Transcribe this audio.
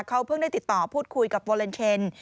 เขาเพิ่งได้ติดต่อพูดคุยกับวอเลนเคน